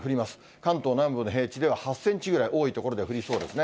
関東南部の平地では８センチぐらい、多い所では降りそうですね。